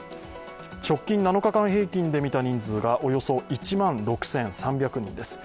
直近７日間平均で見た人数がおよそ１万６３００人です。